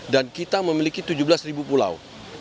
dan kita memiliki tujuh belas pulau